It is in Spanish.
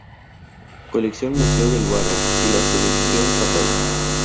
Colección Museo del Barro", y "La seducción fatal.